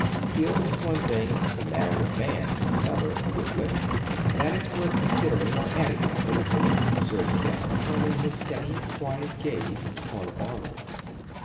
"Skill is one thing; the manner of man is another with women." "That is worth considering or adding to the curriculum," observed Kemp, turning his steady, quiet gaze upon Arnold.